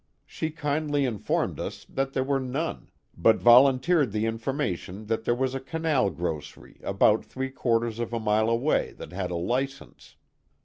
She kindly informed us that there were none, but volunteered the information that there was a canal grocery about three quar ters of a mile away that had a license